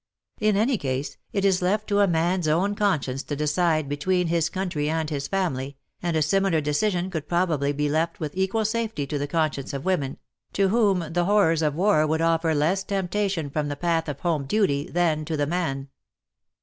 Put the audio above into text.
In any case, it is left to a man's own conscience to decide between his country and his family, and a similar decision could probably be left with equal safety to the conscience of women, to whom the horrors of war would offer less temptation from the path of home duty than to the man.